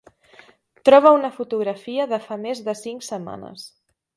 Troba una fotografia de fa més de cinc setmanes.